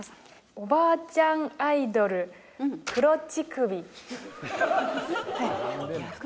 「おばあちゃんアイドル黒乳首」